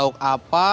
disini ada lauk apa